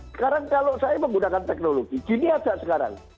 sekarang kalau saya menggunakan teknologi gini aja sekarang